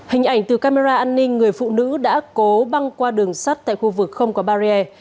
hình ảnh từ camera an ninh người phụ nữ đã cố băng qua đường sắt tại khu vực không có barrier